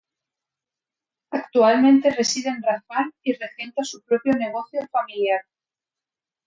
Actualmente reside en Rafal y regenta su propio negocio familiar.